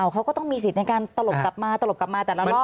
เขาก็ต้องมีสิทธิ์ในการตลบกลับมาตลบกลับมาแต่ละรอบ